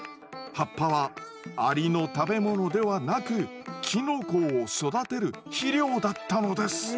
葉っぱはアリの食べ物ではなくキノコを育てる肥料だったのです。